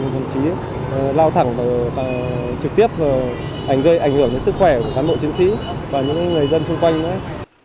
tậm chí lao thẳng và trực tiếp và ảnh hưởng đến sức khỏe của cán bộ chiến sĩ